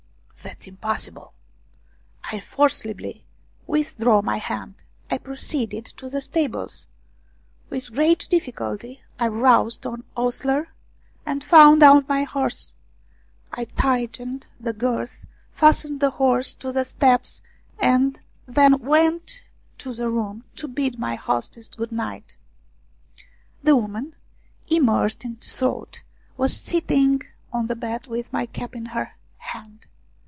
" That's impossible." I forcibly withdrew my hand. I proceeded to the stables. With great difficulty I roused an ostler and found my horse. I tightened the girths, fastened the horse to the steps, and then went to 42 ROUMANIAN STORIES the room to bid my hostess good night. The woman, immersed in thought, was sitting on the bed with my cap in her hand.